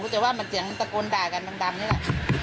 แต่ว่ามันเสียงตะโกนด่ากันดำนี่แหละ